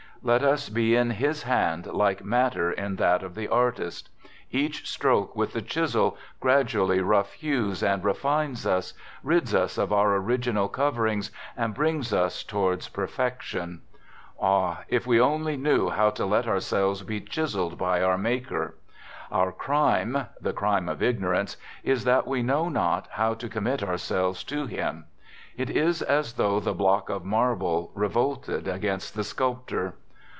Let us be in His hand like matter in that of the artist. Each stroke with the chisel gradually rough hews and refines us, rids us of our original coverings and brings us towards perfection. Ah ! if we only knew how to let ourselves be chiselled by 7 6 THE GOOD SOLDIER " our Maker. Our crime — the crime of ignorance — is that we know not how to commit ourselves to Him. It is as though the block of marble revolted against the sculptor.